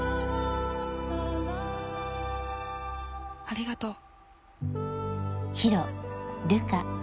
ありがとう。